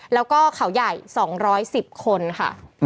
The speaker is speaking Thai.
แล้วก็เขาใหญ่๒๑๐คนค่ะ